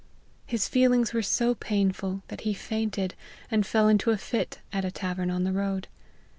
His feelings were so painful, that he fainted and fell into a fit at a tavern on the road.